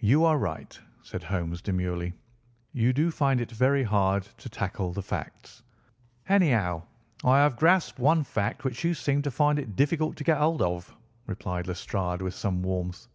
"You are right," said Holmes demurely; "you do find it very hard to tackle the facts." "Anyhow, I have grasped one fact which you seem to find it difficult to get hold of," replied Lestrade with some warmth.